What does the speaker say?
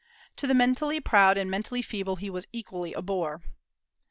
"To the mentally proud and mentally feeble he was equally a bore."